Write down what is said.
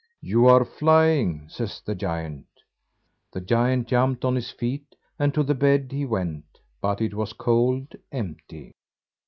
"You are flying," says the giant. The giant jumped on his feet, and to the bed he went, but it was cold empty.